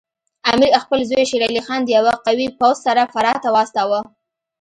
امیر خپل زوی شیر علي خان د یوه قوي پوځ سره فراه ته واستاوه.